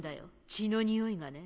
血のにおいがね。